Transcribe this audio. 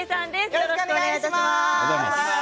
よろしくお願いします。